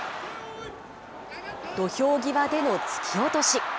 土俵際での突き落とし。